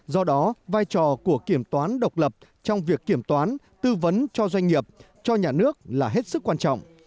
do đó vai trò của kiểm toán độc lập trong việc kiểm toán tư vấn cho doanh nghiệp cho nhà nước là hết sức quan trọng